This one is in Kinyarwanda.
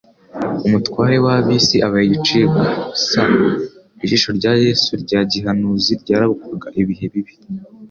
«Umutware w'ab'isi abaye igicibwa.'s» Ijisho rya Yesu rya gihanuzi ryarabukwaga ibihe bibi